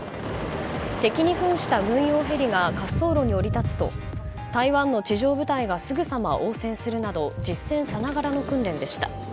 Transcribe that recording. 敵に扮した軍用ヘリが滑走路に降り立つと台湾の地上部隊がすぐさま応戦するなど実戦さながらの訓練でした。